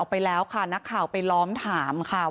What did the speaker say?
คุณหมอชนหน้าเนี่ยคุณหมอชนหน้าเนี่ย